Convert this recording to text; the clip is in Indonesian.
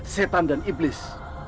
setan dan iblis